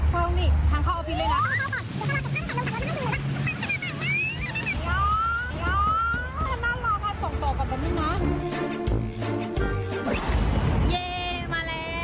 ทรงเข้าออฟิศเลยน่ะ